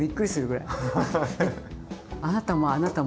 あなたも？あなたも？